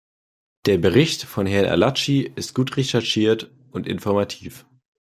Der Bericht von Herrn Arlacchi ist gut recherchiert und informativ.